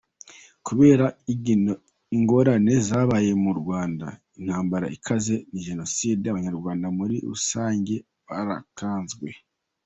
Kubera ingorane zabaye mu Rwanda, intambara ikaze na Genocide, Abanyarwanda muri usange barakanzwe.